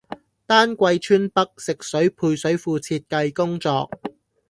丹桂村北食水配水庫設計工作